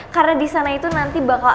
karena disana itu nanti bakal ada